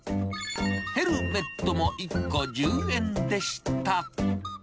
ヘルメットも１個１０円でした。